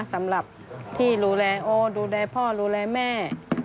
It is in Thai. สำหรับที่ดูแลโอดูแลพ่อดูแลแม่